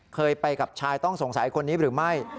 เคยไปกับชายต้องสงสัยคนนี้หรือไม่